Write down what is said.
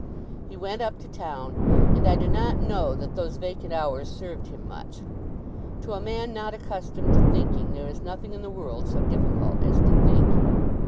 He went up to town, and I do not know that those vacant hours served him much. To a man not accustomed to thinking there is nothing in the world so difficult as to think.